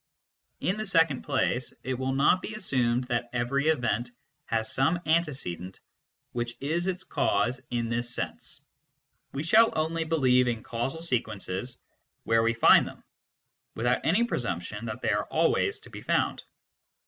In the second place, it will not be assumed that every event has some antecedent which is its cause in this sense ; we shall only believe in causal sequences where we find them, without any presumption that they always are to be found.